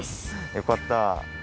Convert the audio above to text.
よかった。